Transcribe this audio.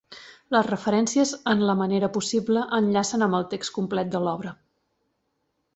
Les referències, en la manera possible, enllacen amb el text complet de l'obra.